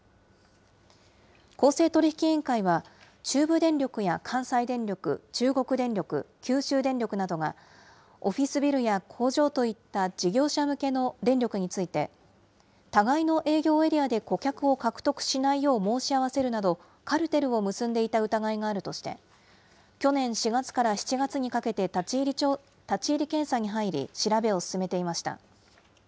公正取引委員会は、中部電力や関西電力、中国電力、九州電力などが、オフィスビルや工場といった事業者向けの電力について、互いの営業エリアで顧客を獲得しないよう申し合わせるなど、カルテルを結んでいた疑いがあるとして去年４月から７月にかけて立ち入り検査に入り、調べを進めていました。